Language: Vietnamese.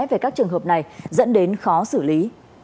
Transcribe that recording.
về các trường hợp này dẫn đến khó xử lý